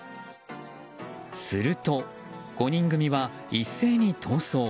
すると５人組は一斉に逃走。